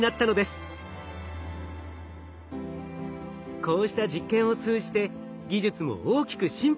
こうした実験を通じて技術も大きく進歩しました。